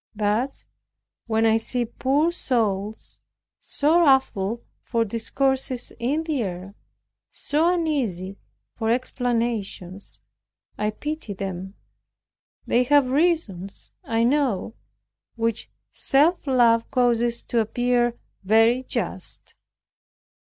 Thus, when I see poor souls so ruffled for discourses in the air, so uneasy for explanations, I pity them. They have reasons, I know, which self love causes to appear very just.